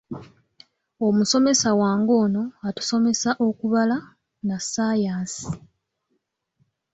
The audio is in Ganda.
Omusomesa wange ono atusomesa okubala na ssaayansi.